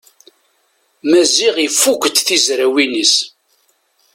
Maziɣ ifukk-d tizrawin-is.